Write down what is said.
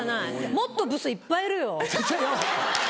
もっとブスいっぱいいるよ。